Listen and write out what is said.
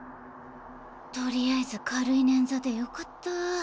とりあえず軽い捻挫でよかった。